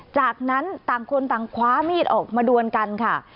จากนั้นต่างคนต่างคว้ามีดออกมาดวนกันค่ะ